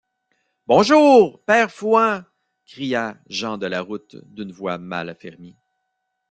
Bonjour, père Fouan! cria Jean de la route, d’une voix mal affermie.